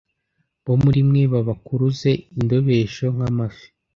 bo muri mwe babakuruze indobesho nk amafi